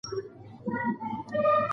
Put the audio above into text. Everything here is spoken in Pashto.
د ټولنپوهنې درسونه مه هېروئ.